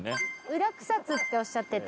「裏草津」っておっしゃってた。